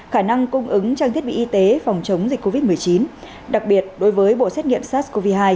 khả năng cung ứng trang thiết bị y tế phòng chống dịch covid một mươi chín đặc biệt đối với bộ xét nghiệm sars cov hai